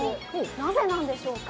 なぜなんでしょうか？